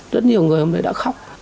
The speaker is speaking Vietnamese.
rất nhiều người hôm đấy đã khóc